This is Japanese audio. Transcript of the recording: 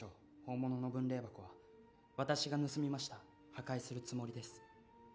「本物の分霊箱は私が盗みました破壊するつもりです」